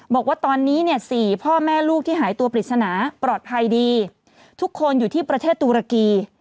บอกว่าตอนนี้เนี่ย๔พ่อแม่ลูกที่หายตัวปริศนาปลอดภัยดีทุกคนอยู่ที่ประเทศตุรกี